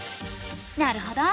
なるほど。